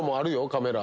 カメラ。